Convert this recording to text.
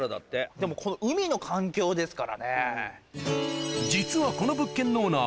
でもこの海の環境ですからね。